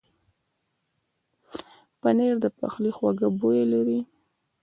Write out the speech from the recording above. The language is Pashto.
پنېر د پخلي خوږه بویه لري.